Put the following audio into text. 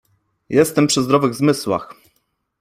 Jestem przy zdrowych zmysłach!